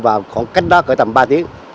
và khoảng cách đó có tầm ba tiếng